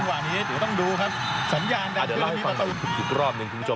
อันนี้คือต้องดูครับสัญญาณการพิเศษ